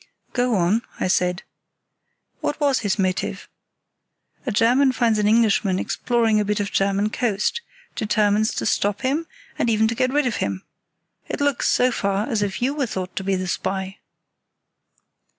"Go on," I said. "What was his motive? A German finds an Englishman exploring a bit of German coast, determines to stop him, and even to get rid of him. It looks so far as if you were thought to be the spy.